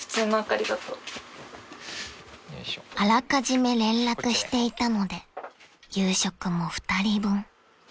［あらかじめ連絡していたので夕食も２人分］